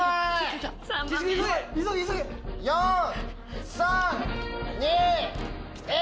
４・３・２・１。